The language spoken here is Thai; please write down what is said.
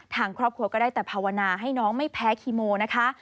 ทางครอบครัวก็ได้แต่ภาวนาให้น้องไม่แพ้คีโมนะคะ